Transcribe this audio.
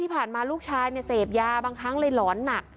ที่ผ่านมาลูกชายเนี่ยเสพยาบางครั้งเลยหลอนหนัก